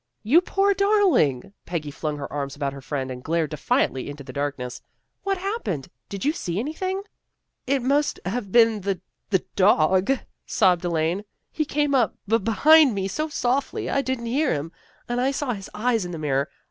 " You poor darling! " Peggy flung her arms about her friend and glared defiantly into the darkness. " What happened? Did you see anything? "" It must have been the the dog," sobbed Elaine. " He came up be behind me so softly, I didn't hear him, and I saw his eyes in the mirror.